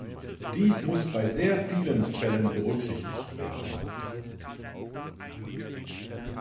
Dies muss bei sehr vielen Fällen berücksichtigt werden.